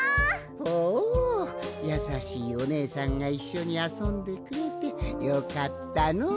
ほうやさしいおねえさんがいっしょにあそんでくれてよかったのう。